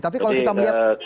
tapi kalau kita melihat